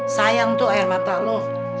sayang tuh air mata lo